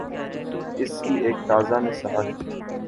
اس کی ایک تازہ مثال